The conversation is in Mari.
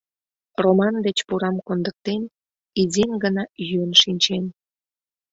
Роман деч пурам кондыктен, изин гына йӱын шинчен.